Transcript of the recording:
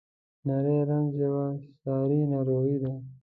نری رنځ یوه ساري ناروغي ده.